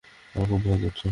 আমার খুব ভয় করছে।